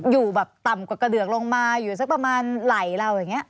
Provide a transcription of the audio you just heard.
อยู่แบบต่ำกว่ากระเดือกลงมาอยู่สักประมาณไหล่เราอย่างนี้